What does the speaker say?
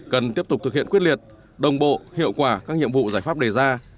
cần tiếp tục thực hiện quyết liệt đồng bộ hiệu quả các nhiệm vụ giải pháp đề ra